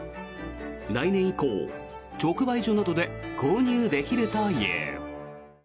来年以降、直売所などで購入できるという。